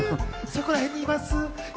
そこら辺にいます。